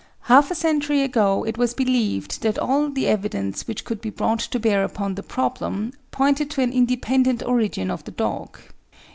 Half a century ago it was believed that all the evidence which could be brought to bear upon the problem pointed to an independent origin of the dog.